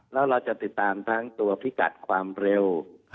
แล้วเราจะติดตามทั้งตัวพิกัดความเร็ว